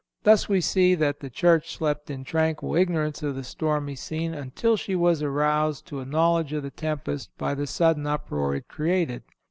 Thus we see that the Church slept in tranquil ignorance of the stormy scene until she was aroused to a knowledge of the tempest by the sudden uproar it created.